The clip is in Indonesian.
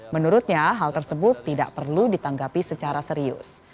menurutnya hal tersebut tidak perlu ditanggapi secara serius